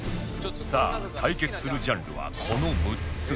さあ対決するジャンルはこの６つ